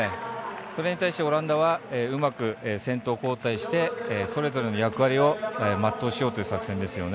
それに対してオランダはうまく先頭交代してそれぞれの役割を全うしようという作戦です。